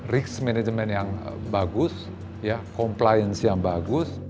risk management yang bagus compliance yang bagus